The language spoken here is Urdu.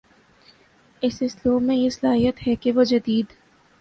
اس اسلوب میں یہ صلاحیت ہے کہ وہ جدید